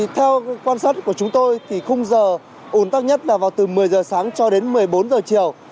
theo quan sát của chúng tôi khung giờ ổn tắc nhất là từ một mươi h sáng cho đến một mươi bốn h chiều